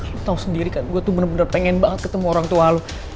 kita tahu sendiri kan gue tuh bener bener pengen banget ketemu orang tua lo